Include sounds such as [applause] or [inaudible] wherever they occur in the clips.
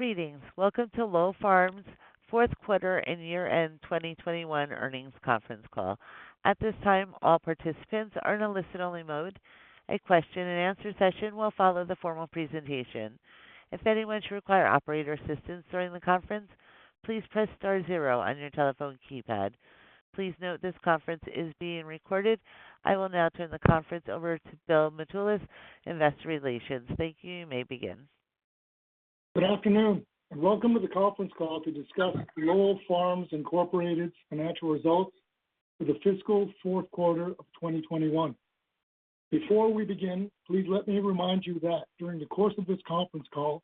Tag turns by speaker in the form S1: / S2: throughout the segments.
S1: Greetings. Welcome to Lowell Farms fourth quarter and year-end 2021 earnings conference call. At this time, all participants are in a listen-only mode. A question and answer session will follow the formal presentation. If anyone should require operator assistance during the conference, please press star zero on your telephone keypad. Please note this conference is being recorded. I will now turn the conference over to Bill Mitoulas, Investor Relations. Thank you. You may begin.
S2: Good afternoon, and welcome to the conference call to discuss Lowell Farms Inc.'s financial results for the fiscal fourth quarter of 2021. Before we begin, please let me remind you that during the course of this conference call,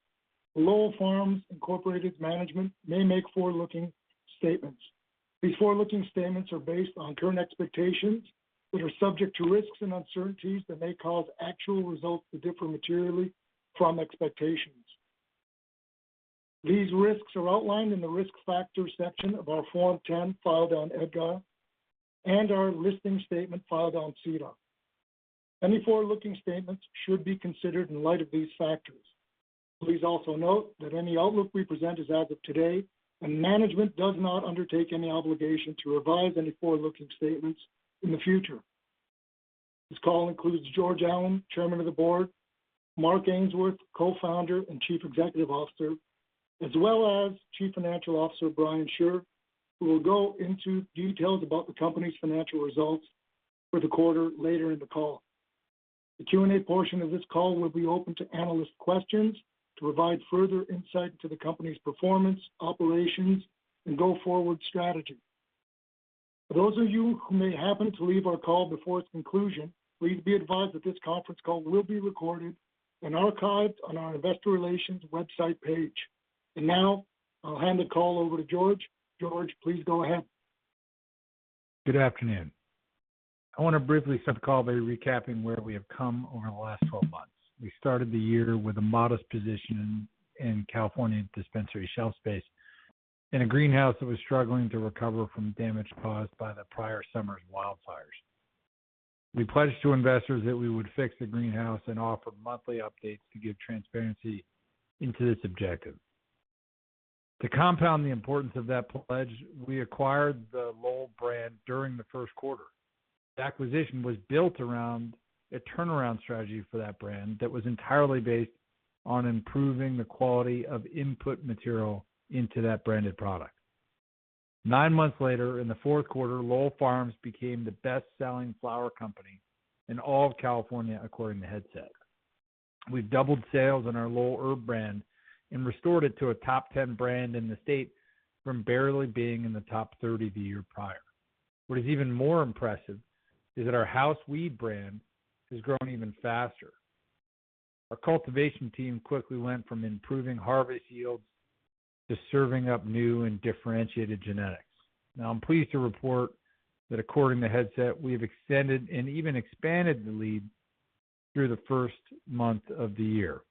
S2: Lowell Farms Inc.'s management may make forward-looking statements. These forward-looking statements are based on current expectations, which are subject to risks and uncertainties that may cause actual results to differ materially from expectations. These risks are outlined in the Risk Factors section of our Form 10 filed on EDGAR and our listing statement filed on SEDAR. Any forward-looking statements should be considered in light of these factors. Please also note that any outlook we present is as of today, and management does not undertake any obligation to revise any forward-looking statements in the future. This call includes George Allen, Chairman of the Board, Mark Ainsworth, Co-founder and Chief Executive Officer, as well as Chief Financial Officer, Brian Shure, who will go into details about the company's financial results for the quarter later in the call. The Q&A portion of this call will be open to analyst questions to provide further insight into the company's performance, operations, and go-forward strategy. For those of you who may happen to leave our call before its conclusion, please be advised that this conference call will be recorded and archived on our investor relations website page. Now, I'll hand the call over to George. George, please go ahead.
S3: Good afternoon. I want to briefly set the call by recapping where we have come over the last 12 months. We started the year with a modest position in California dispensary shelf space in a greenhouse that was struggling to recover from damage caused by the prior summer's wildfires. We pledged to investors that we would fix the greenhouse and offer monthly updates to give transparency into this objective. To compound the importance of that pledge, we acquired the Lowell brand during the first quarter. The acquisition was built around a turnaround strategy for that brand that was entirely based on improving the quality of input material into that branded product. Nine months later, in the fourth quarter, Lowell Farms became the best-selling flower company in all of California, according to Headset. We've doubled sales in our Lowell Herb brand and restored it to a top 10 brand in the state from barely being in the top 30 the year prior. What is even more impressive is that our House Weed brand has grown even faster. Our cultivation team quickly went from improving harvest yields to serving up new and differentiated genetics. Now, I'm pleased to report that according to Headset, we've extended and even expanded the lead through the first month of the year.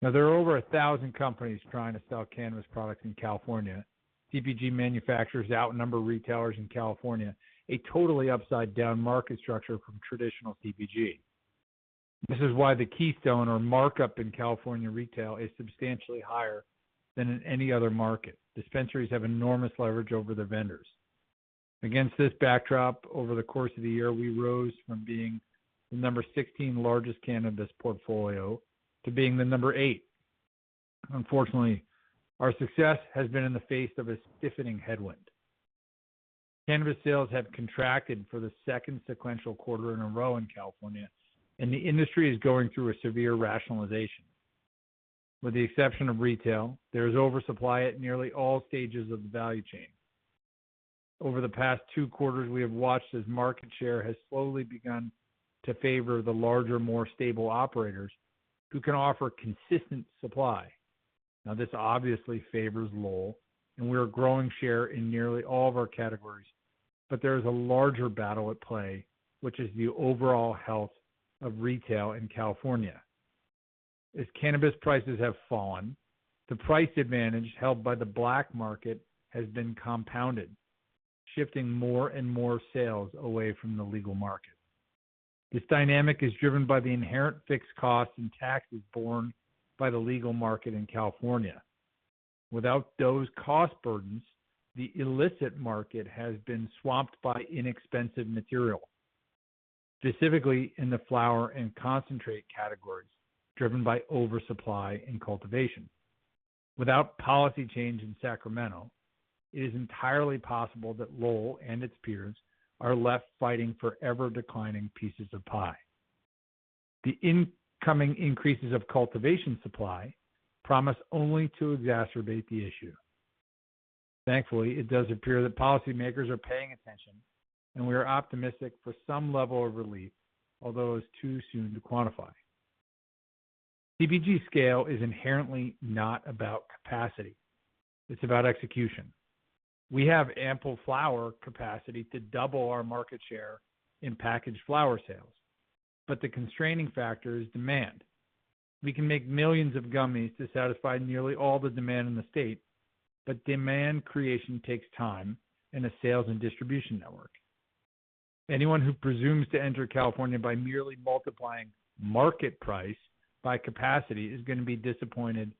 S3: Now, there are over 1,000 companies trying to sell cannabis products in California. CPG manufacturers outnumber retailers in California, a totally upside-down market structure from traditional CPG. This is why the keystone, or markup in California retail, is substantially higher than in any other market. Dispensaries have enormous leverage over their vendors. Against this backdrop, over the course of the year, we rose from being the number 16 largest cannabis portfolio to being the number 8. Unfortunately, our success has been in the face of a stiffening headwind. Cannabis sales have contracted for the second sequential quarter in a row in California, and the industry is going through a severe rationalization. With the exception of retail, there is oversupply at nearly all stages of the value chain. Over the past two quarters, we have watched as market share has slowly begun to favor the larger, more stable operators who can offer consistent supply. Now, this obviously favors Lowell, and we are growing share in nearly all of our categories. There is a larger battle at play, which is the overall health of retail in California. As cannabis prices have fallen, the price advantage held by the black market has been compounded, shifting more and more sales away from the legal market. This dynamic is driven by the inherent fixed costs and taxes borne by the legal market in California. Without those cost burdens, the illicit market has been swamped by inexpensive material, specifically in the flower and concentrate categories, driven by oversupply in cultivation. Without policy change in Sacramento, it is entirely possible that Lowell and its peers are left fighting forever declining pieces of pie. The incoming increases of cultivation supply promise only to exacerbate the issue. Thankfully, it does appear that policymakers are paying attention, and we are optimistic for some level of relief, although it's too soon to quantify. CPG scale is inherently not about capacity. It's about execution. We have ample flower capacity to double our market share in packaged flower sales, but the constraining factor is demand. We can make millions of gummies to satisfy nearly all the demand in the state, but demand creation takes time in a sales and distribution network. Anyone who presumes to enter California by merely multiplying market price by capacity is gonna be disappointed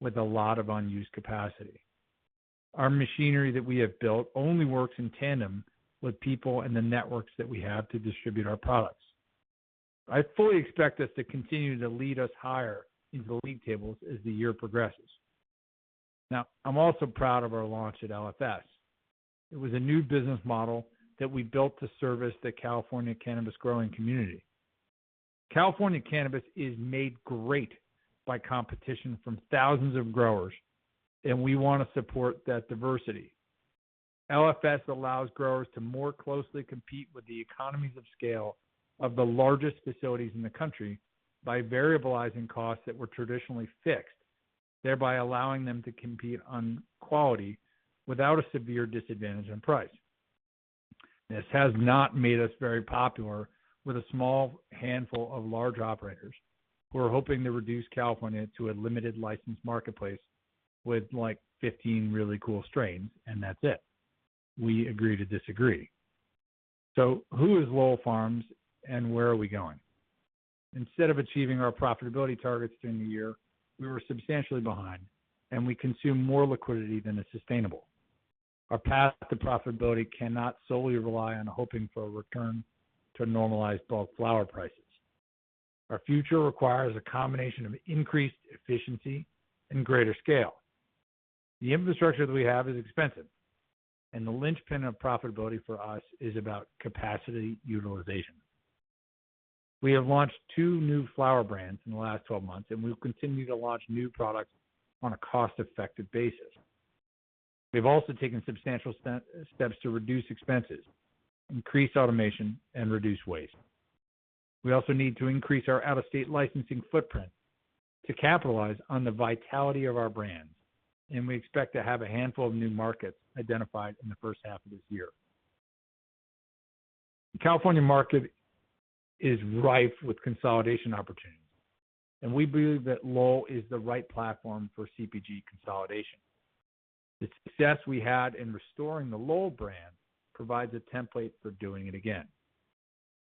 S3: with a lot of unused capacity. Our machinery that we have built only works in tandem with people and the networks that we have to distribute our products. I fully expect this to continue to lead us higher in the league tables as the year progresses. Now, I'm also proud of our launch at LFS. It was a new business model that we built to service the California cannabis growing community. California cannabis is made great by competition from thousands of growers, and we wanna support that diversity. LFS allows growers to more closely compete with the economies of scale of the largest facilities in the country by variabilizing costs that were traditionally fixed, thereby allowing them to compete on quality without a severe disadvantage in price. This has not made us very popular with a small handful of large operators who are hoping to reduce California into a limited license marketplace with, like, fifteen really cool strains, and that's it. We agree to disagree. Who is Lowell Farms and where are we going? Instead of achieving our profitability targets during the year, we were substantially behind, and we consumed more liquidity than is sustainable. Our path to profitability cannot solely rely on hoping for a return to normalized bulk flower prices. Our future requires a combination of increased efficiency and greater scale. The infrastructure that we have is expensive, and the linchpin of profitability for us is about capacity utilization. We have launched two new flower brands in the last 12 months, and we'll continue to launch new products on a cost-effective basis. We've also taken substantial steps to reduce expenses, increase automation, and reduce waste. We also need to increase our out-of-state licensing footprint to capitalize on the vitality of our brands, and we expect to have a handful of new markets identified in the first half of this year. The California market is rife with consolidation opportunities, and we believe that Lowell is the right platform for CPG consolidation. The success we had in restoring the Lowell brand provides a template for doing it again.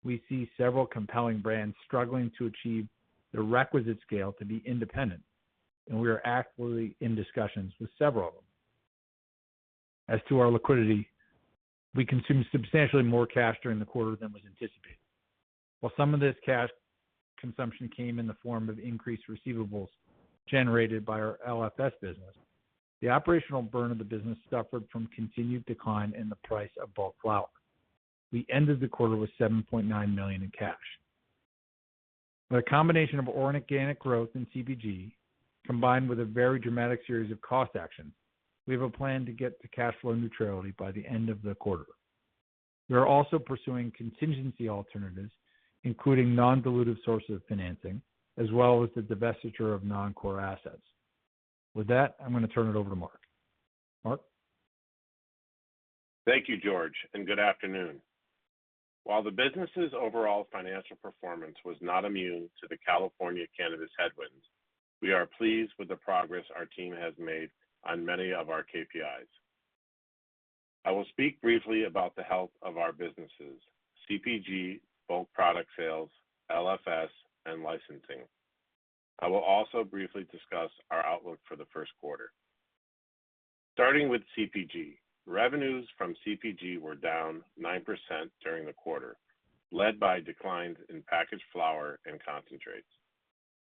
S3: We see several compelling brands struggling to achieve the requisite scale to be independent, and we are actively in discussions with several of them. As to our liquidity, we consumed substantially more cash during the quarter than was anticipated. While some of this cash consumption came in the form of increased receivables generated by our LFS business, the operational burn of the business suffered from continued decline in the price of bulk flower. We ended the quarter with $7.9 million in cash. With a combination of organic growth in CPG, combined with a very dramatic series of cost actions, we have a plan to get to cash flow neutrality by the end of the quarter. We are also pursuing contingency alternatives, including non-dilutive sources of financing, as well as the divestiture of non-core assets. With that, I'm gonna turn it over to Mark. Mark?
S4: Thank you, George, and good afternoon. While the business's overall financial performance was not immune to the California cannabis headwinds, we are pleased with the progress our team has made on many of our KPIs. I will speak briefly about the health of our businesses, CPG, bulk product sales, LFS, and licensing. I will also briefly discuss our outlook for the first quarter. Starting with CPG, revenues from CPG were down 9% during the quarter, led by declines in packaged flower and concentrates.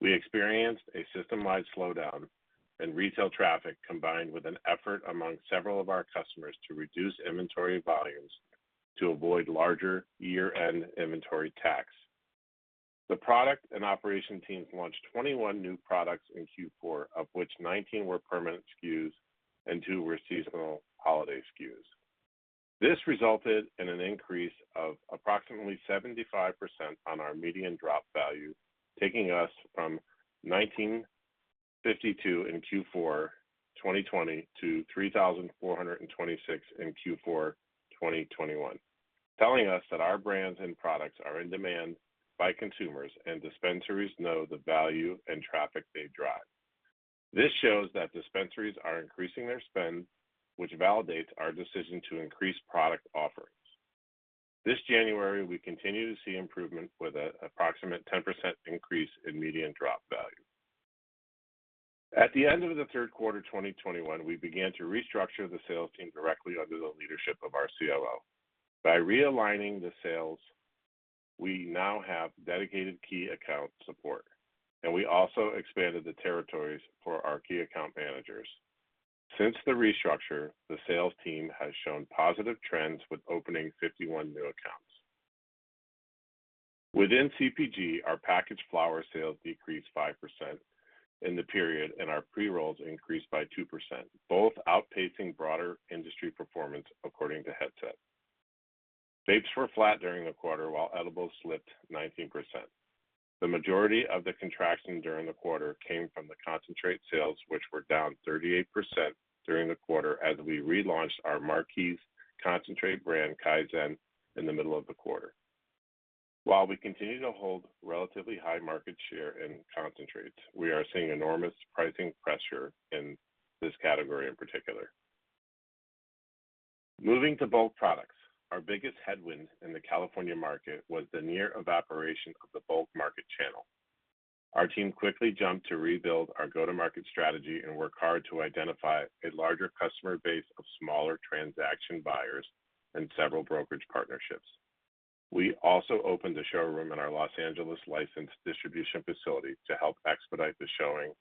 S4: We experienced a system-wide slowdown in retail traffic, combined with an effort among several of our customers to reduce inventory volumes to avoid larger year-end inventory tax. The product and operations teams launched 21 new products in Q4, of which 19 were permanent SKUs and two were seasonal holiday SKUs. This resulted in an increase of approximately 75% on our median drop value, taking us from 1,952 in Q4 2020 to 3,426 in Q4 2021, telling us that our brands and products are in demand by consumers, and dispensaries know the value and traffic they drive. This shows that dispensaries are increasing their spend, which validates our decision to increase product offerings. This January, we continue to see improvement with an approximate 10% increase in median drop value. At the end of the third quarter 2021, we began to restructure the sales team directly under the leadership of our COO. By realigning the sales, we now have dedicated key account support, and we also expanded the territories for our key account managers. Since the restructure, the sales team has shown positive trends with opening 51 new accounts. Within CPG, our packaged flower sales decreased 5% in the period, and our pre-rolls increased by 2%, both outpacing broader industry performance according to Headset. Vapes were flat during the quarter, while edibles slipped 19%. The majority of the contraction during the quarter came from the concentrate sales, which were down 38% during the quarter as we relaunched our marquee concentrate brand, Kaizen, in the middle of the quarter. While we continue to hold relatively high market share in concentrates, we are seeing enormous pricing pressure in this category in particular. Moving to bulk products, our biggest headwind in the California market was the near evaporation of the bulk market channel. Our team quickly jumped to rebuild our go-to-market strategy and work hard to identify a larger customer base of smaller transaction buyers and several brokerage partnerships. We also opened a showroom in our Los Angeles licensed distribution facility to help expedite the showing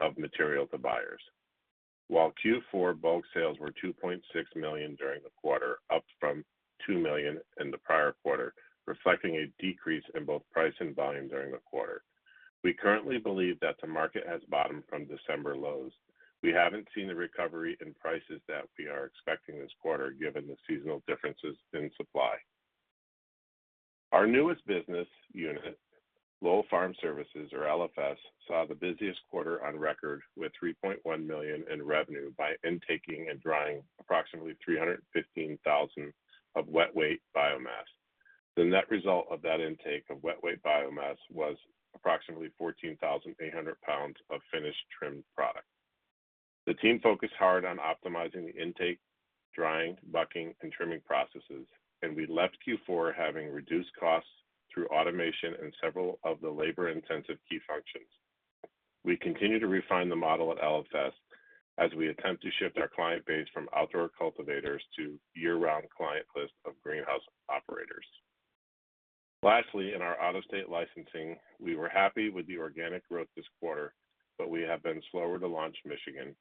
S4: of material to buyers. While Q4 bulk sales were $2.6 million during the quarter, up from $2 million in the prior quarter, reflecting a decrease in both price and volume during the quarter. We currently believe that the market has bottomed from December lows. We haven't seen the recovery in prices that we are expecting this quarter, given the seasonal differences in supply. Our newest business unit, Lowell Farm Services or LFS, saw the busiest quarter on record with $3.1 million in revenue by intaking and drying approximately 315,000 of wet weight biomass. The net result of that intake of wet weight biomass was approximately 14,800 pounds of finished trimmed product. The team focused hard on optimizing the intake, drying, bucking, and trimming processes, and we left Q4 having reduced costs through automation in several of the labor-intensive key functions. We continue to refine the model at LFS as we attempt to shift our client base from outdoor cultivators to year-round client list of greenhouse operators. Lastly, in our out-of-state licensing, we were happy with the organic growth this quarter, but we have been slower to launch Michigan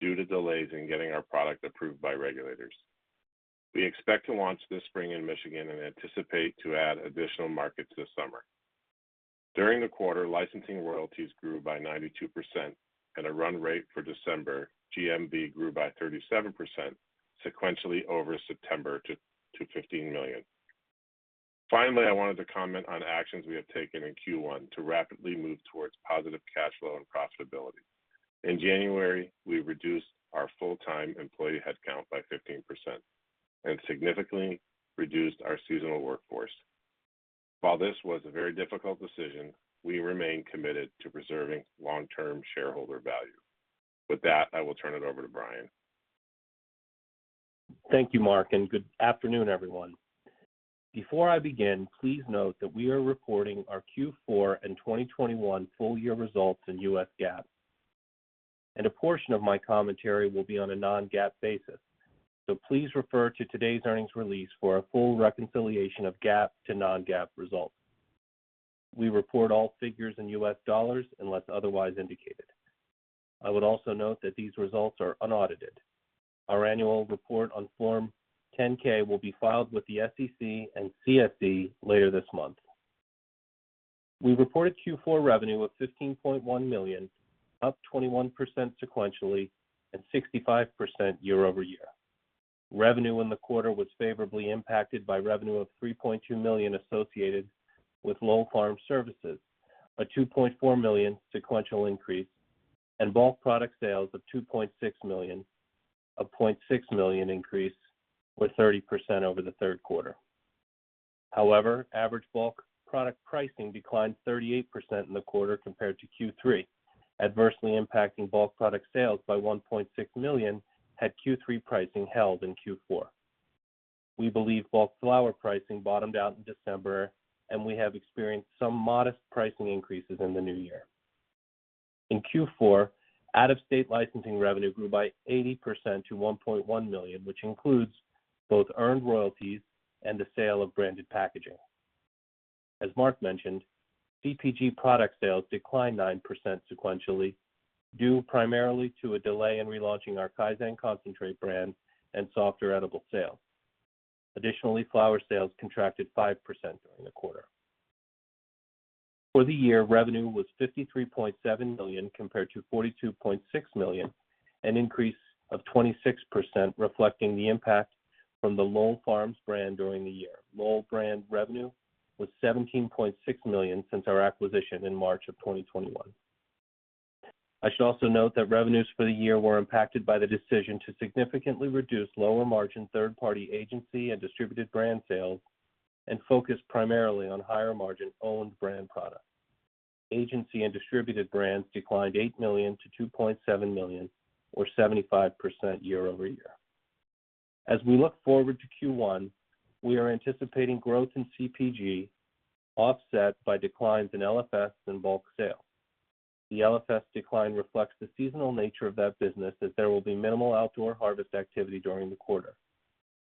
S4: due to delays in getting our product approved by regulators. We expect to launch this spring in Michigan and anticipate to add additional markets this summer. During the quarter, licensing royalties grew by 92% at a run rate for December, GMV grew by 37% sequentially over September to $15 million. Finally, I wanted to comment on actions we have taken in Q1 to rapidly move towards positive cash flow and profitability. In January, we reduced our full-time employee headcount by 15% and significantly reduced our seasonal workforce. While this was a very difficult decision, we remain committed to preserving long-term shareholder value. With that, I will turn it over to Brian.
S5: Thank you, Mark, and good afternoon, everyone. Before I begin, please note that we are reporting our Q4 and 2021 full year results in U.S. GAAP. A portion of my commentary will be on a non-GAAP basis. Please refer to today's earnings release for a full reconciliation of GAAP to non-GAAP results. We report all figures in U.S. dollars unless otherwise indicated. I would also note that these results are unaudited. Our annual report on Form 10-K will be filed with the SEC and CSE later this month. We reported Q4 revenue of $15.1 million, up 21% sequentially, and 65% year-over-year. Revenue in the quarter was favorably impacted by revenue of $3.2 million associated with Lowell Farm Services, a $2.4 million sequential increase, and bulk product sales of $2.6 million, a $0.6 million increase, or 30% over the third quarter. However, average bulk product pricing declined 38% in the quarter compared to Q3, adversely impacting bulk product sales by $1.6 million had Q3 pricing held in Q4. We believe bulk flower pricing bottomed out in December, and we have experienced some modest pricing increases in the new year. In Q4, out-of-state licensing revenue grew by 80% to $1.1 million, which includes both earned royalties and the sale of branded packaging. As Mark mentioned, CPG product sales declined 9% sequentially, due primarily to a delay in relaunching our Kaizen concentrate brand and softer edible sales. Additionally, flower sales contracted 5% during the quarter. For the year, revenue was $53.7 million compared to $42.6 million, an increase of 26%, reflecting the impact from the Lowell Farms brand during the year. Lowell brand revenue was $17.6 million since our acquisition in March 2021. I should also note that revenues for the year were impacted by the decision to significantly reduce lower-margin third-party agency and distributed brand sales and focus primarily on higher-margin owned brand products. Agency and distributed brands declined $8 million to $2.7 million, or 75% year-over-year. As we look forward to Q1, we are anticipating growth in CPG offset by declines in LFS and bulk sales. The LFS decline reflects the seasonal nature of that business as there will be minimal outdoor harvest activity during the quarter.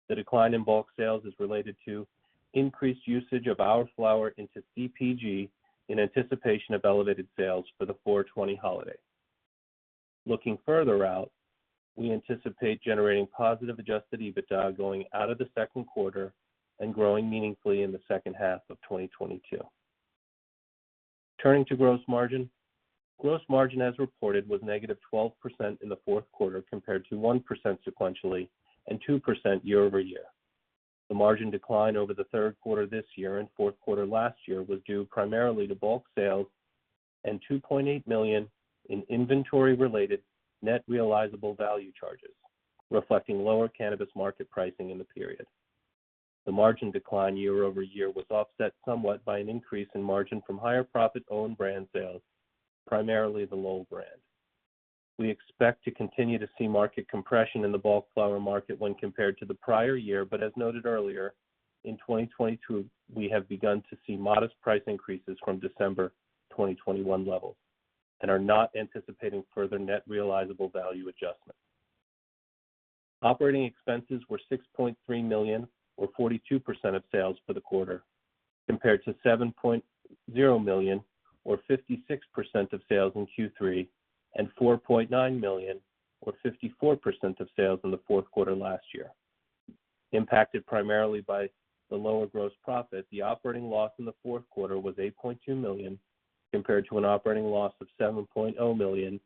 S5: The decline in bulk sales is related to increased usage of our flower into CPG in anticipation of elevated sales for the 4/20 holiday. Looking further out, we anticipate generating positive adjusted EBITDA going out of the second quarter and growing meaningfully in the second half of 2022. Turning to gross margin. Gross margin as reported was negative 12% in the fourth quarter compared to 1% sequentially and 2% year-over-year. The margin decline over the third quarter this year and fourth quarter last year was due primarily to bulk sales and $2.8 million in inventory-related net realizable value charges, reflecting lower cannabis market pricing in the period. The margin decline year-over-year was offset somewhat by an increase in margin from higher profit own brand sales, primarily the Lowell brand. We expect to continue to see market compression in the bulk flower market when compared to the prior year, but as noted earlier, in 2022, we have begun to see modest price increases from December 2021 levels and are not anticipating further net realizable value adjustments. Operating expenses were $6.3 million or 42% of sales for the quarter, compared to $7.0 million or 56% of sales in Q3, and $4.9 million or 54% of sales in the fourth quarter last year. Impacted primarily by the lower gross profit, the operating loss in the fourth quarter was $8.2 million, compared to an operating loss of $7.0 million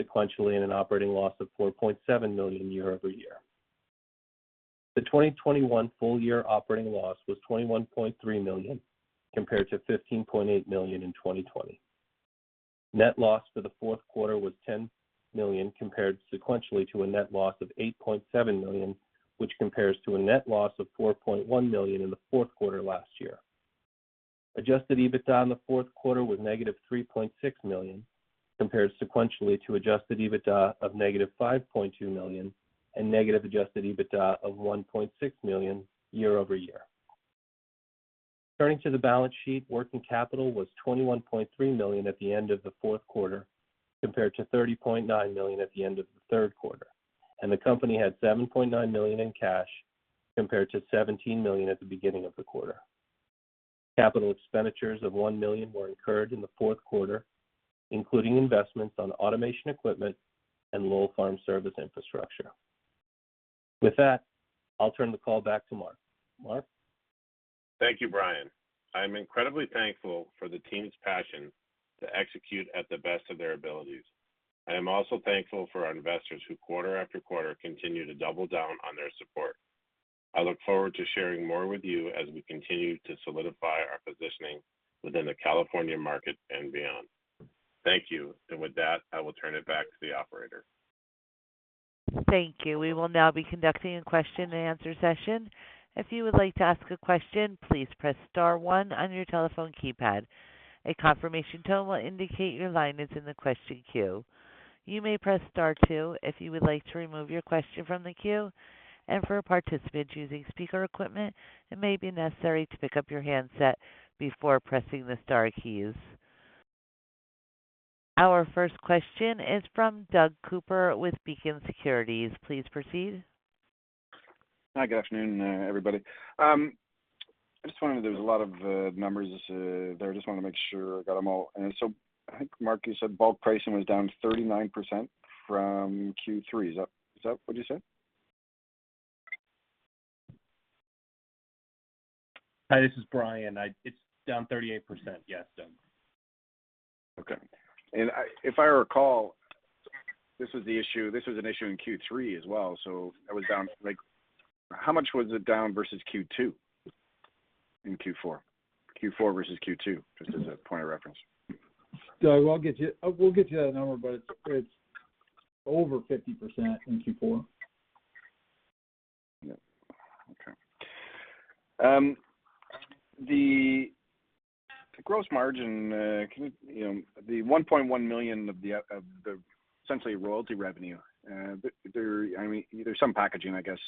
S5: sequentially, and an operating loss of $4.7 million year over year. The 2021 full year operating loss was $21.3 million, compared to $15.8 million in 2020. Net loss for the fourth quarter was $10 million, compared sequentially to a net loss of $8.7 million, which compares to a net loss of $4.1 million in the fourth quarter last year. Adjusted EBITDA in the fourth quarter was -$3.6 million, compared sequentially to adjusted EBITDA of -$5.2 million and negative adjusted EBITDA of $1.6 million year over year. Turning to the balance sheet, working capital was $21.3 million at the end of the fourth quarter, compared to $30.9 million at the end of the third quarter, and the company had $7.9 million in cash, compared to $17 million at the beginning of the quarter. Capital expenditures of $1 million were incurred in the fourth quarter, including investments on automation equipment and Lowell Farm Services infrastructure. With that, I'll turn the call back to Mark. Mark?
S4: Thank you, Brian. I'm incredibly thankful for the team's passion to execute at the best of their abilities. I am also thankful for our investors who quarter after quarter continue to double down on their support. I look forward to sharing more with you as we continue to solidify our positioning within the California market and beyond. Thank you. With that, I will turn it back to the operator.
S1: Thank you. We will now be conducting a question and answer session. If you would like to ask a question, please press star one on your telephone keypad. A confirmation tone will indicate your line is in the question queue. You may press star two if you would like to remove your question from the queue. For participants using speaker equipment, it may be necessary to pick up your handset before pressing the star keys. Our first question is from Doug Cooper with Beacon Securities. Please proceed.
S6: Hi, good afternoon, everybody. I just wondering, there's a lot of numbers there. I just wanna make sure I got them all. I think Mark, you said bulk pricing was down 39% from Q3. Is that, is that what you said?
S5: Hi, this is Brian. It's down 38%. Yes, Doug.
S6: Okay. If I recall, this was an issue in Q3 as well, so that was down like, How much was it down versus Q2 in Q4? Q4 versus Q2, just as a point of reference.
S3: Doug, I'll get you that number, but it's over 50% in Q4.
S6: Yeah. Okay. The gross margin, you know, the $1.1 million of the essentially royalty revenue, there, I mean, there's some packaging, I guess,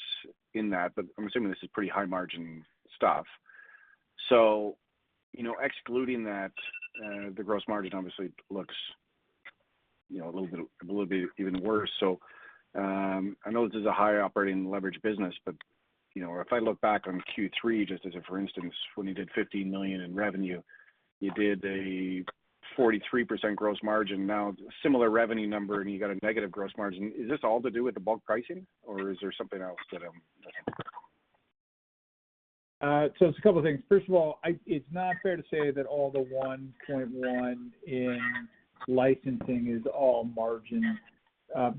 S6: in that, but I'm assuming this is pretty high margin stuff. You know, excluding that, the gross margin obviously looks, you know, a little bit even worse. I know this is a higher operating leverage business, but, you know, if I look back on Q3, just as a for instance, when you did $50 million in revenue, you did a 43% gross margin. Now similar revenue number, and you got a negative gross margin. Is this all to do with the bulk pricing, or is there something else that I'm missing?
S3: It's a couple things. First of all, it's not fair to say that all the 1.1 in licensing is all margin.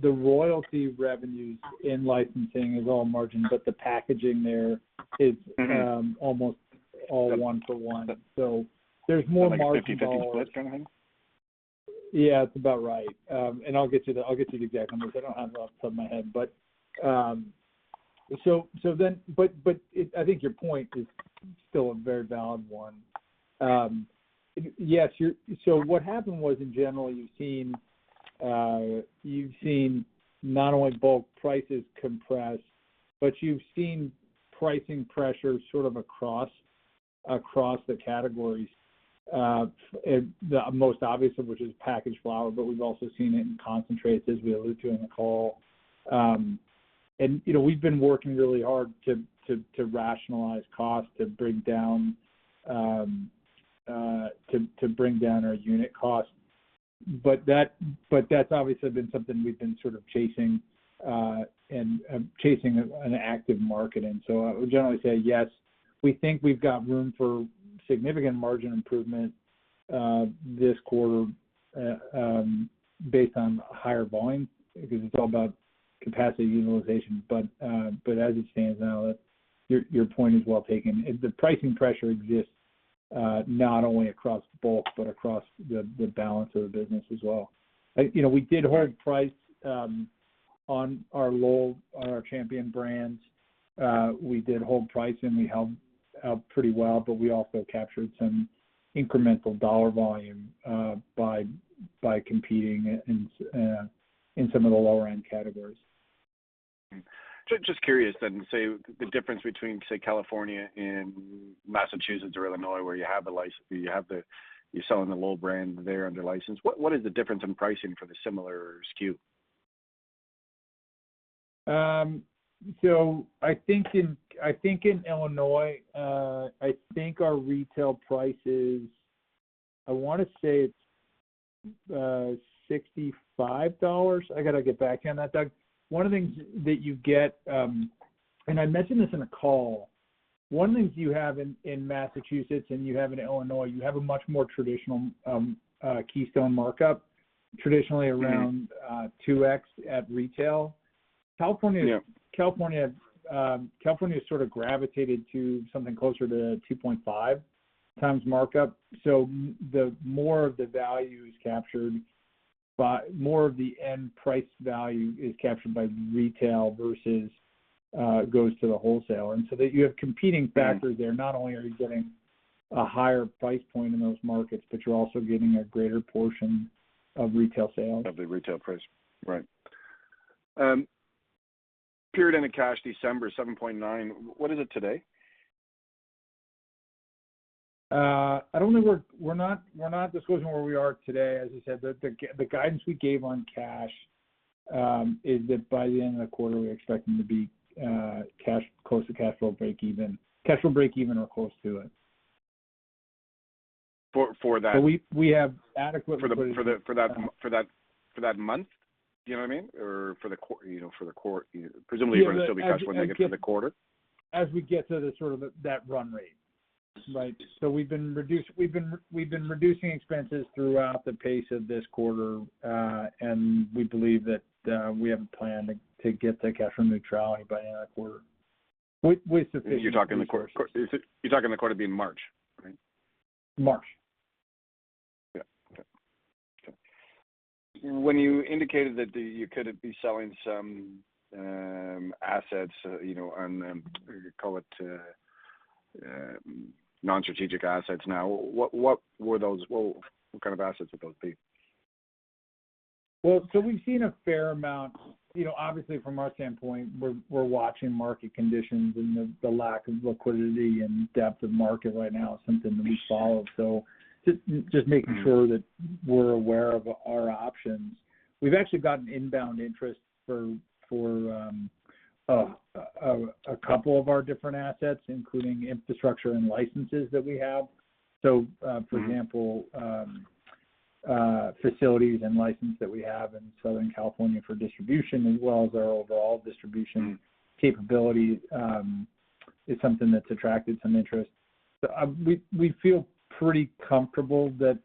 S3: The royalty revenues in licensing is all margin, but the packaging there is-
S6: Mm-hmm
S3: Almost all one for one.
S6: Got it.
S3: There's more margin.
S6: Like a 50/50 split kind of thing?
S3: Yeah, that's about right. I'll get you the exact numbers. I don't have them off the top of my head. I think your point is still a very valid one. What happened was, in general, you've seen not only bulk prices compress, but you've seen pricing pressure sort of across the categories. The most obvious of which is packaged flower, but we've also seen it in concentrates as we alluded to in the call. You know, we've been working really hard to rationalize costs to bring down our unit costs. That's obviously been something we've been sort of chasing an active market. I would generally say yes, we think we've got room for significant margin improvement this quarter based on higher volume, because it's all about capacity utilization. As it stands now, your point is well taken. The pricing pressure exists not only across the bulk, but across the balance of the business as well. You know, we did hold price on our Lowell, on our Champion brands. We did hold price, and we held out pretty well, but we also captured some incremental dollar volume by competing in some of the lower-end categories.
S6: Just curious then. Say, the difference between, say, California and Massachusetts or Illinois, where you have the license, you're selling the Lowell brand there under license. What is the difference in pricing for the similar SKU?
S3: I think in Illinois, I think our retail price is, I wanna say it's, $65. I gotta get back on that, Doug. One of the things that you get, and I mentioned this in a call. One of the things you have in Massachusetts, and you have it in Illinois, you have a much more traditional keystone markup, traditionally around
S6: Mm-hmm
S3: 2x at retail.
S6: Yeah.
S3: California has sort of gravitated to something closer to 2.5 times markup. More of the end price value is captured by retail versus goes to the wholesale. That you have competing factors there. Not only are you getting a higher price point in those markets, but you're also getting a greater portion of retail sales.
S6: Of the retail price. Right. Period end cash December, $7.9. What is it today?
S3: I don't think we're not disclosing where we are today. As I said, the guidance we gave on cash is that by the end of the quarter, we're expecting to be close to cash flow break even. Cash flow break even or close to it.
S6: For, for that-
S3: We have adequate-
S6: For that month? You know what I mean? Or for the quarter, you know, presumably for the
S3: As we get-
S6: when they get to the quarter.
S3: As we get to that sort of run rate, right. We've been reducing expenses throughout the course of this quarter, and we believe that we have a plan to get to cash flow neutrality by the end of the quarter with sufficient-
S6: You're talking the quarter being March, right?
S3: March.
S6: Yeah. Okay. When you indicated that you could be selling some assets, you know, on call it non-strategic assets now, what were those? What kind of assets would those be?
S3: Well, we've seen a fair amount. You know, obviously from our standpoint, we're watching market conditions and the lack of liquidity and depth of market right now is something that we follow. Just making sure that we're aware of our options. We've actually gotten inbound interest for a couple of our different assets, including infrastructure and licenses that we have. For example.
S6: Mm-hmm
S3: Facilities and license that we have in Southern California for distribution as well as our overall distribution capability is something that's attracted some interest. We feel pretty comfortable that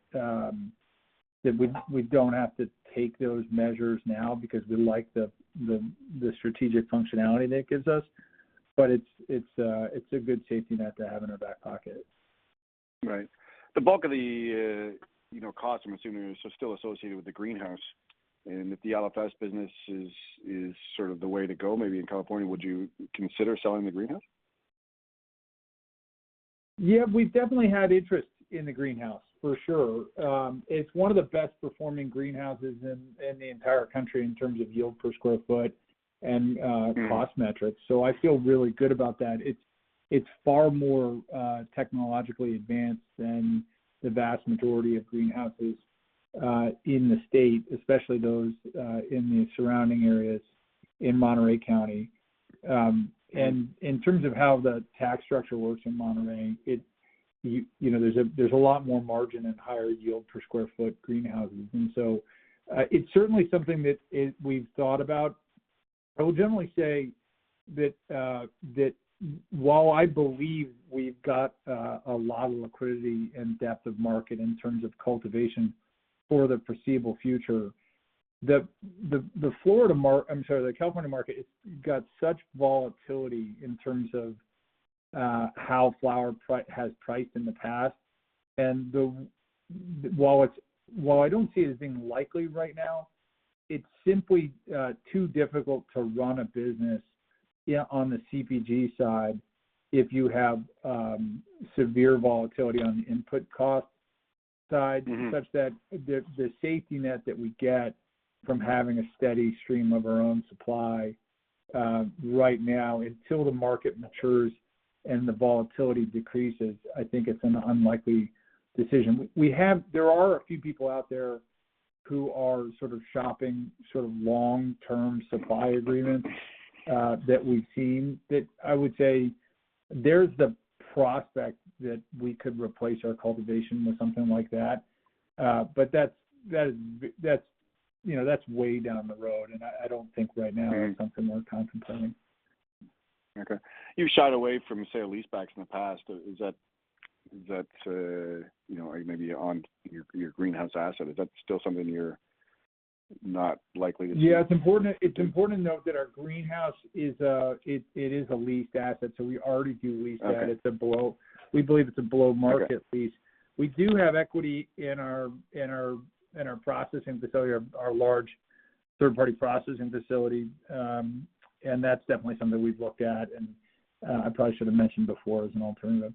S3: we don't have to take those measures now because we like the strategic functionality that it gives us. But it's a good safety net to have in our back pocket.
S6: Right. The bulk of the costs I'm assuming are still associated with the greenhouse. If the LFS business is sort of the way to go maybe in California, would you consider selling the greenhouse?
S3: Yeah, we've definitely had interest in the greenhouse, for sure. It's one of the best performing greenhouses in the entire country in terms of yield per square foot and cost metrics. I feel really good about that. It's far more technologically advanced than the vast majority of greenhouses in the state, especially those in the surrounding areas in Monterey County. In terms of how the tax structure works in Monterey, you know, there's a lot more margin and higher yield per square foot greenhouses. It's certainly something we've thought about. I will generally say that while I believe we've got a lot of liquidity and depth of market in terms of cultivation for the foreseeable future, the California market, it's got such volatility in terms of how flower has priced in the past. While I don't see anything likely right now, it's simply too difficult to run a business yeah on the CPG side if you have severe volatility on the input cost side.
S6: Mm-hmm
S3: such that the safety net that we get from having a steady stream of our own supply right now, until the market matures and the volatility decreases, I think it's an unlikely decision. There are a few people out there who are sort of shopping sort of long-term supply agreements that we've seen, that I would say there's the prospect that we could replace our cultivation with something like that. that's, you know, that's way down the road, and I don't think right now.
S6: Mm-hmm
S3: It's something worth contemplating.
S6: Okay. You've shied away from, say, lease backs in the past. Is that you know, maybe on your greenhouse asset, is that still something you're Not likely to see-
S3: Yeah, it's important to note that our greenhouse is a leased asset, so we already do lease that.
S6: Okay.
S3: We believe it's a below-market lease.
S6: Okay.
S3: We do have equity in our processing facility, our large third-party processing facility. That's definitely something we've looked at, and I probably should have mentioned before as an alternative.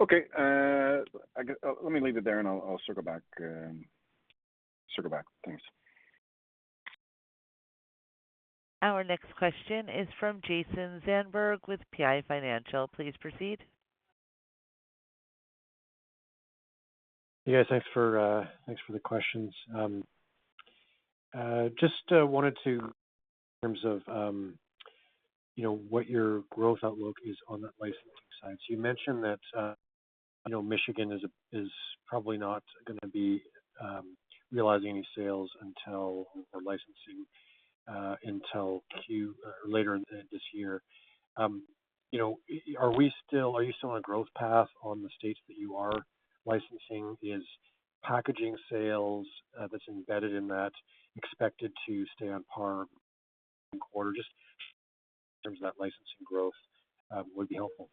S6: Okay. Let me leave it there, and I'll circle back. Thanks.
S1: Our next question is from Jason Zandberg with PI Financial. Please proceed.
S7: Yeah, thanks for the questions. Just wanted to in terms of, you know, what your growth outlook is on that licensing side. You mentioned that, you know, Michigan is probably not gonna be realizing any sales until, or licensing, until Q- or later in this year. You know, are you still on a growth path on the states that you are licensing? Is packaging sales, that's embedded in that expected to stay on par quarter? Just in terms of that licensing growth, would be helpful.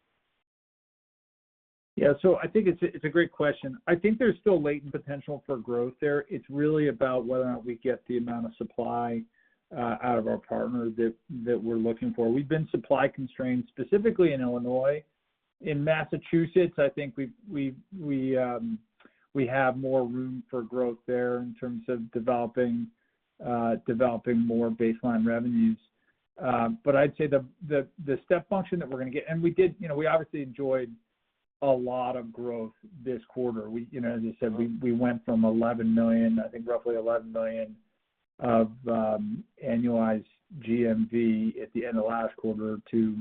S3: Yeah. I think it's a great question. I think there's still latent potential for growth there. It's really about whether or not we get the amount of supply out of our partner that we're looking for. We've been supply-constrained, specifically in Illinois. In Massachusetts, I think we have more room for growth there in terms of developing more baseline revenues. But I'd say the step function that we're gonna get. We did, you know, we obviously enjoyed a lot of growth this quarter. We, you know, as I said, went from $11 million, I think roughly $11 million of annualized GMV at the end of last quarter to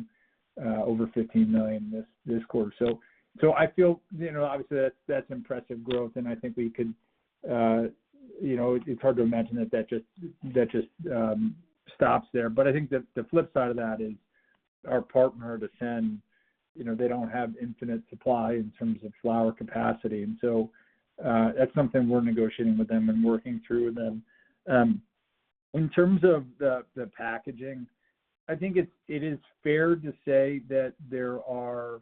S3: over $15 million this quarter. I feel, you know, obviously that's impressive growth, and I think we could, you know, it's hard to imagine that just stops there. I think the flip side of that is our partner, Ascend, you know, they don't have infinite supply in terms of flower capacity. That's something we're negotiating with them and working through with them. In terms of the packaging, I think it is fair to say that there are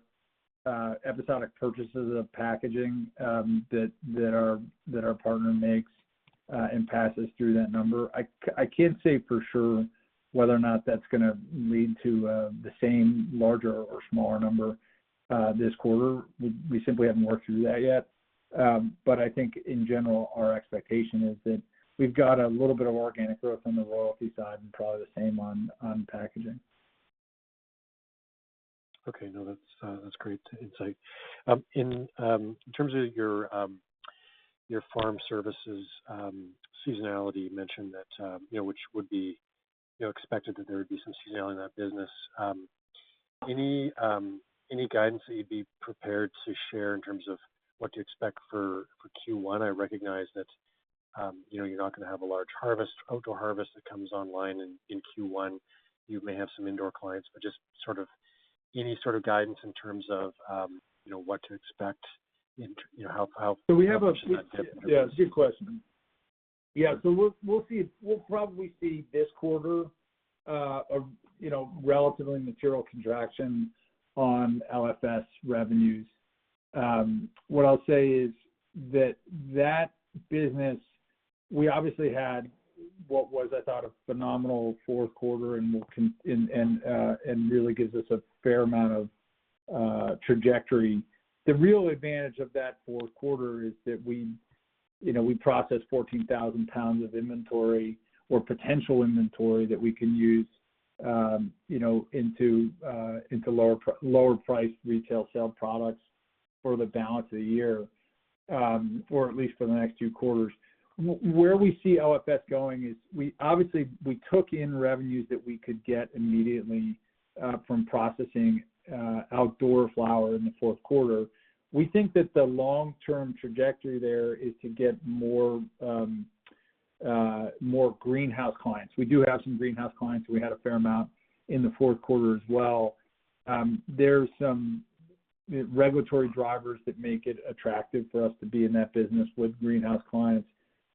S3: episodic purchases of packaging that our partner makes and passes through that number. I can't say for sure whether or not that's gonna lead to the same larger or smaller number this quarter. We simply haven't worked through that yet. I think in general, our expectation is that we've got a little bit of organic growth on the royalty side and probably the same on packaging.
S7: Okay. No, that's great insight. In terms of your farm services seasonality, you mentioned that, you know, which would be, you know, expected that there would be some seasonality in that business. Any guidance that you'd be prepared to share in terms of what to expect for Q1? I recognize that, you know, you're not gonna have a large harvest, outdoor harvest that comes online in Q1. You may have some indoor clients, but just sort of any sort of guidance in terms of, you know, what to expect in, you know, how.
S3: We have a.
S7: [inaudible]
S3: Good question, yeah, we'll probably see this quarter, you know, relatively material contraction on LFS revenues. What I'll say is, that business we obviously had what was I thought of phenomenal fourth quarter and really gives us a fair amount of trajectory. The real advantage of that fourth quarter is that, you know, we process 14,000 pounds of inventory or potential inventory that we can use, you know, into lower price retail sale products for the balance of the year or at least for the next two quarters. Where we see LFS going is we obviously we took in revenues that we could get immediately from processing outdoor flower in the fourth quarter. We think that the long term trajectory there is to get more greenhouse clients. We do have some greenhouse clients. We had a fair amount in the fourth quarter as well. There's some regulatory drivers that make it attractive for us to be in that business with greenhouse clients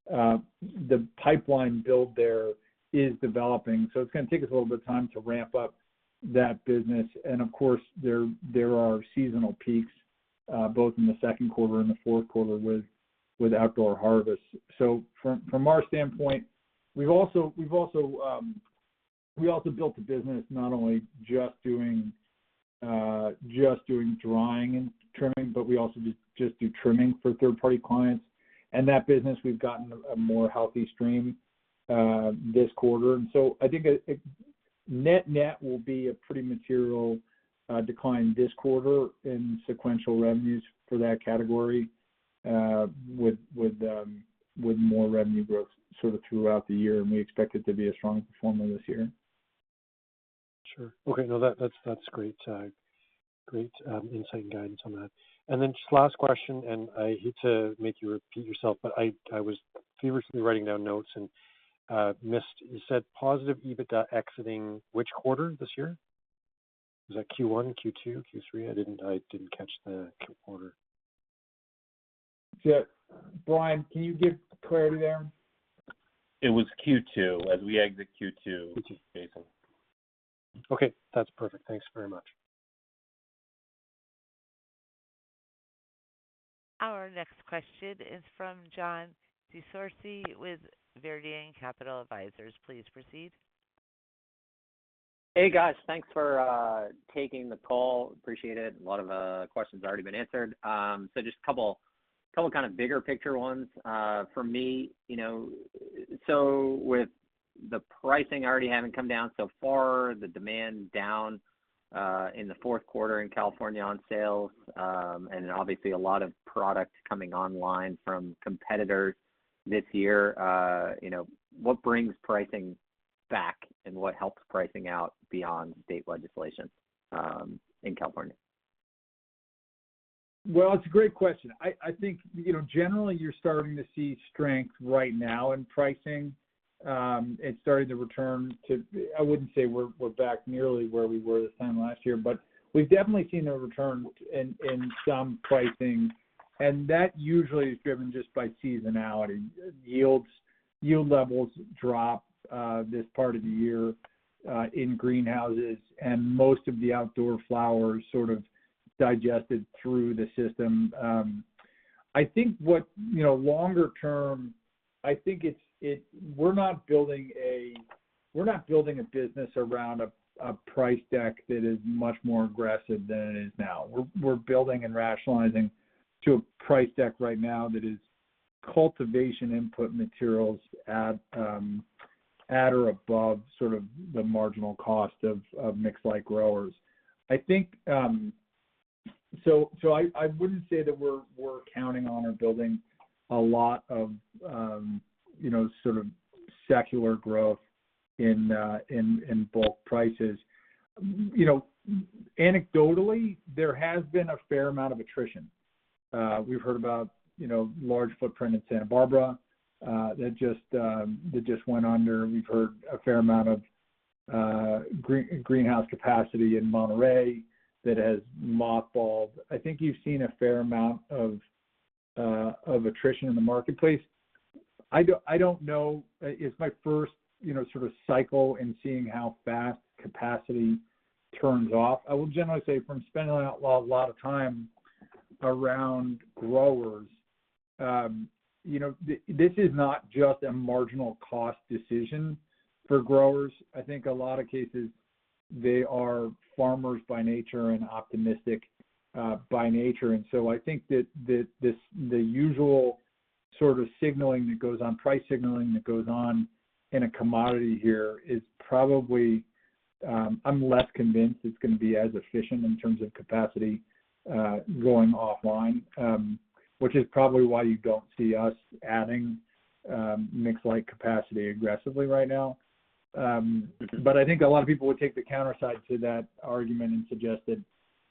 S3: the pipeline build there is developing. So it's going to take us a little bit of time to ramp up that business and of course there are seasonal peaks both in the second quarter and the fourth quarter with outdoor harvest. So from our standpoint, we also built a business not only just doing drying and trimming, but we also just do trimming for the third party clients. And in that business we've gotten a more healthy stream this quarter. And so I think net-net will be a pretty material declined this quarter in sequential revenues for that category with more revenue growth sort of throughout the year and we expect it to be a strong performance here.
S7: Sure. Okay. No, that's great insight and guidance on that. Then just last question, and I hate to make you repeat yourself, but I was feverishly writing down notes and missed. You said positive EBITDA exiting which quarter this year? Is that Q1, Q2, Q3? I didn't catch the quarter.
S3: Yeah. Brian, can you give clarity there?
S5: It was Q2, as we exit Q2, Jason.
S7: Q2. Okay, that's perfect. Thanks very much.
S1: Our next question is from John Desorcy with Viridian Capital Advisors. Please proceed.
S8: Hey, guys. Thanks for taking the call. Appreciate it. A lot of questions have already been answered. Just couple kind of bigger picture ones, for me, you know. With the pricing already having come down so far, the demand down, in the fourth quarter in California on sales, and obviously a lot of product coming online from competitors this year, you know, what brings pricing back, and what helps pricing out beyond state legislation, in California?
S3: Well, it's a great question. I think, you know, generally you're starting to see strength right now in pricing. It's starting to return to. I wouldn't say we're back nearly where we were this time last year, but we've definitely seen a return in some pricing, and that usually is driven just by seasonality. Yield levels drop this part of the year in greenhouses, and most of the outdoor flowers sort of digested through the system. I think, you know, longer term, I think it's. We're not building a business around a price deck that is much more aggressive than it is now. We're building and rationalizing to a price deck right now that is cultivation input materials at or above sort of the marginal cost of mixed light growers. I think I wouldn't say that we're counting on or building a lot of you know sort of secular growth in bulk prices. You know, anecdotally, there has been a fair amount of attrition. We've heard about you know large footprint in Santa Barbara that just went under. We've heard a fair amount of greenhouse capacity in Monterey that has mothballed. I think you've seen a fair amount of attrition in the marketplace. I don't know. It's my first you know sort of cycle in seeing how fast capacity turns off. I will generally say from spending a lot of time around growers you know this is not just a marginal cost decision for growers. I think a lot of cases they are farmers by nature and optimistic by nature. I think that the usual sort of signaling that goes on, price signaling that goes on in a commodity here is probably I'm less convinced it's gonna be as efficient in terms of capacity going offline, which is probably why you don't see us adding mixed light capacity aggressively right now. I think a lot of people would take the counter side to that argument and suggest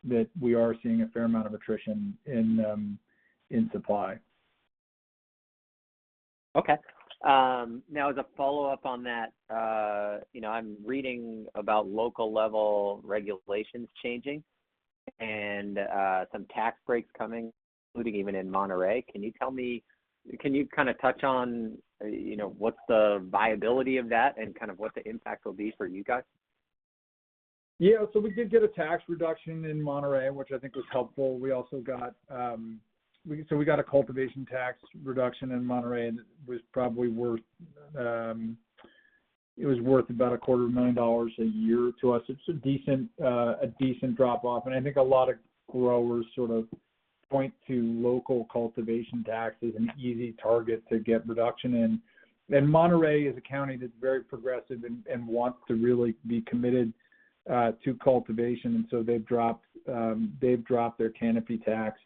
S3: that we are seeing a fair amount of attrition in supply.
S8: Okay. Now as a follow-up on that, you know, I'm reading about local level regulations changing and some tax breaks coming, including even in Monterey. Can you kinda touch on, you know, what's the viability of that and kind of what the impact will be for you guys?
S3: Yeah. We did get a tax reduction in Monterey, which I think was helpful. We also got a cultivation tax reduction in Monterey, and it was worth about a quarter of a million dollars a year to us. It's a decent drop off, and I think a lot of growers sort of point to local cultivation tax as an easy target to get reduction in. Monterey is a county that's very progressive and wants to really be committed to cultivation, and they've dropped their canopy tax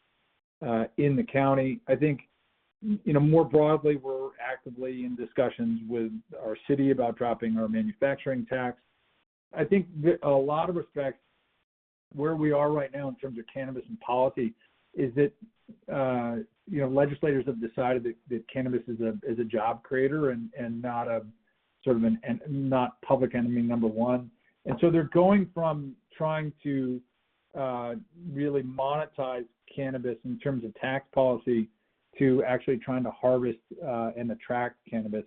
S3: in the county. I think, you know, more broadly, we're actively in discussions with our city about dropping our manufacturing tax. I think a lot of respects, where we are right now in terms of cannabis and policy is that, you know, legislators have decided that cannabis is a job creator and not public enemy number one. They're going from trying to really monetize cannabis in terms of tax policy to actually trying to harvest and attract cannabis.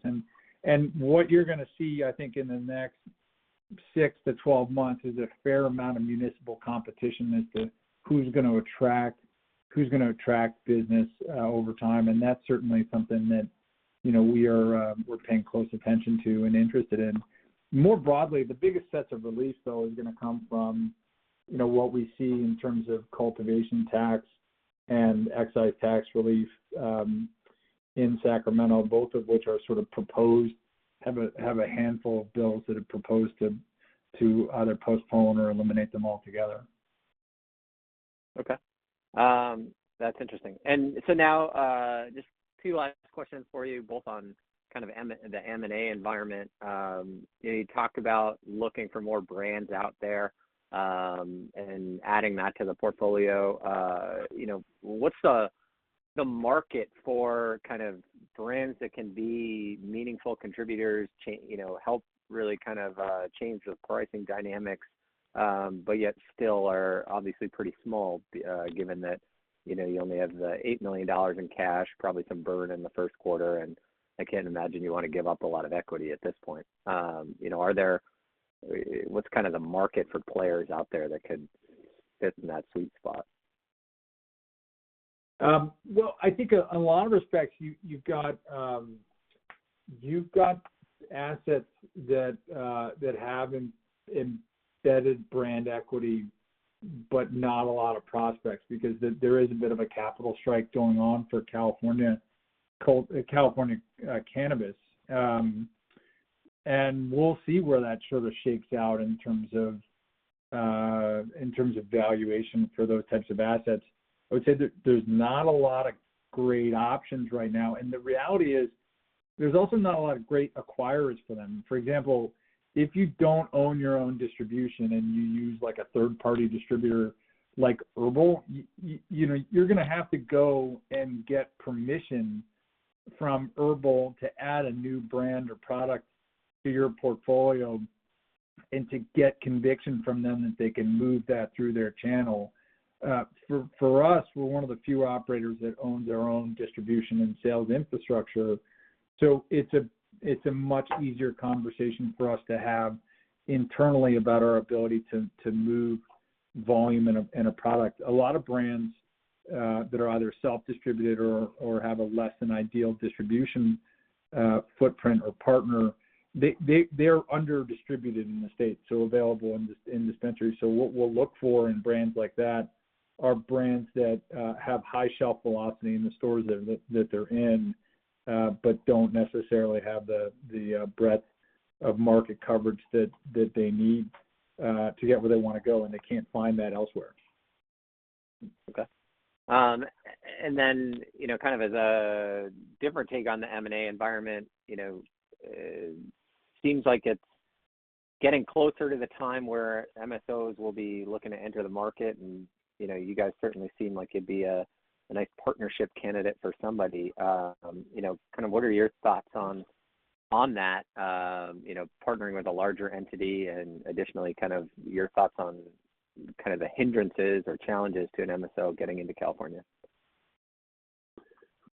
S3: What you're gonna see, I think, in the next 6-12 months is a fair amount of municipal competition as to who's gonna attract business over time. That's certainly something that, you know, we're paying close attention to and interested in. More broadly, the biggest sets of relief though is gonna come from, you know, what we see in terms of cultivation tax and excise tax relief in Sacramento, both of which are sort of proposed. We have a handful of bills that have proposed to either postpone or eliminate them altogether.
S8: Okay. That's interesting. Now, just two last questions for you both on kind of the M&A environment. You know, you talked about looking for more brands out there, and adding that to the portfolio. You know, what's the market for kind of brands that can be meaningful contributors, you know, help really kind of change the pricing dynamics, but yet still are obviously pretty small, given that, you know, you only have the $8 million in cash, probably some burn in the first quarter, and I can't imagine you wanna give up a lot of equity at this point. You know, what's kind of the market for players out there that could fit in that sweet spot?
S3: Well, I think in a lot of respects you've got assets that have embedded brand equity, but not a lot of prospects because there is a bit of a capital strike going on for California cannabis. We'll see where that sort of shakes out in terms of valuation for those types of assets. I would say there's not a lot of great options right now, and the reality is there's also not a lot of great acquirers for them. For example, if you don't own your own distribution and you use like a third-party distributor like Herbl, you know, you're gonna have to go and get permission from Herbl to add a new brand or product to your portfolio and to get conviction from them that they can move that through their channel. For us, we're one of the few operators that owns our own distribution and sales infrastructure, so it's a much easier conversation for us to have internally about our ability to move volume and a product. A lot of brands that are either self-distributed or have a less than ideal distribution footprint or partner, they're under distributed in the state, so available in dispensaries. What we'll look for in brands like that are brands that have high shelf velocity in the stores that they're in, but don't necessarily have the breadth of market coverage that they need to get where they wanna go, and they can't find that elsewhere.
S8: Okay. You know, kind of as a different take on the M&A environment, you know, seems like it's getting closer to the time where MSOs will be looking to enter the market and, you know, you guys certainly seem like you'd be a nice partnership candidate for somebody. You know, kind of what are your thoughts on that, you know, partnering with a larger entity and additionally, kind of your thoughts on kind of the hindrances or challenges to an MSO getting into California?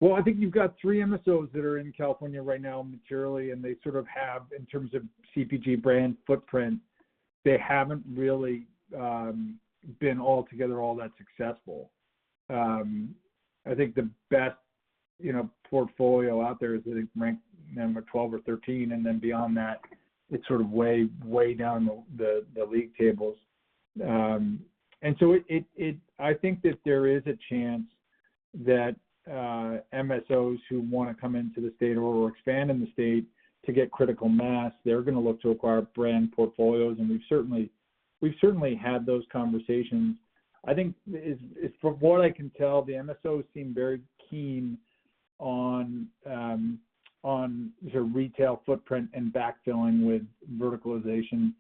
S3: Well, I think you've got three MSOs that are in California right now maturely, and they sort of have, in terms of CPG brand footprint, they haven't really been all together all that successful. I think the best, you know, portfolio out there is I think ranked number 12 or 13, and then beyond that, it's sort of way down the league tables. I think that there is a chance that MSOs who wanna come into the state or expand in the state to get critical mass, they're gonna look to acquire brand portfolios, and we've certainly had those conversations. I think it's from what I can tell, the MSOs seem very keen on the retail footprint and backfilling with verticalization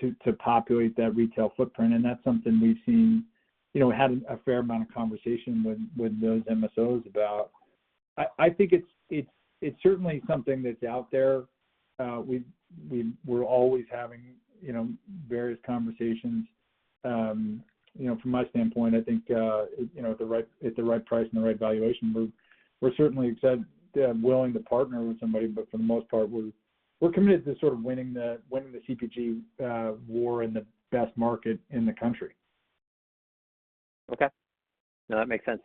S3: to populate that retail footprint, and that's something we've seen, you know, had a fair amount of conversation with those MSOs about. I think it's certainly something that's out there. We're always having, you know, various conversations. You know, from my standpoint, I think, you know, at the right price and the right valuation, we're certainly willing to partner with somebody, but for the most part, we're committed to sort of winning the CPG war in the best market in the country.
S8: Okay. No, that makes sense.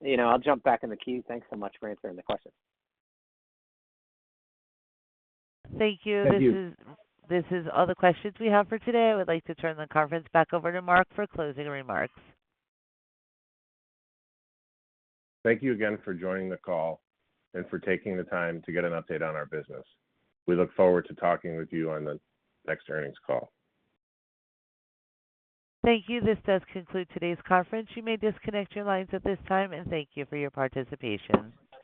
S8: You know, I'll jump back in the queue. Thanks so much for answering the question.
S1: Thank you.
S3: Thank you.
S1: This is all the questions we have for today. I would like to turn the conference back over to Mark for closing remarks.
S4: Thank you again for joining the call and for taking the time to get an update on our business. We look forward to talking with you on the next earnings call.
S1: Thank you. This does conclude today's conference. You may disconnect your lines at this time, and thank you for your participation.